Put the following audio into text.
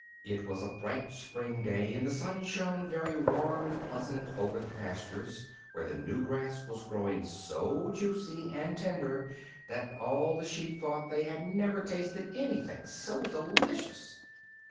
IT was a bright spring day, and the sun shone very warm and pleasant over the pastures, where the new grass was growing so juicy and tender that all the sheep thought they had never tasted anything so delicious.